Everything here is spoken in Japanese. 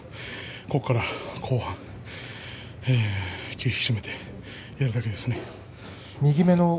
ここから後半、気を引き締めてやるだけですね。